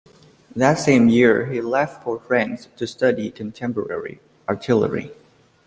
That same year, he left for France to study contemporary artillery.